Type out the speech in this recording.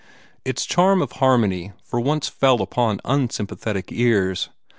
Its charm of harmony for once fell upon unsympathetic ears.